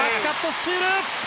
スチール！